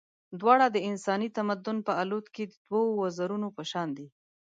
دواړه د انساني تمدن په الوت کې د دوو وزرونو په شان دي.